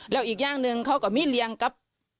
แล้วอีกอย่างหนึ่งเขาก็มีเลี้ยงกับ